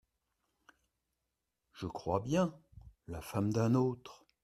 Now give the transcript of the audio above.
Je crois bien… la femme d’un autre !